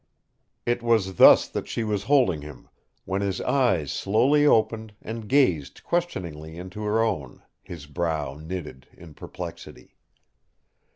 It was thus that she was holding him when his eyes slowly opened and gazed questioningly into her own, his brow knitted in perplexity.